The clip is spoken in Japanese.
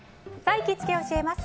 行きつけ教えます！